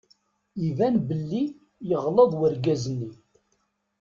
Iban belli yeɣleḍ urgaz-nni.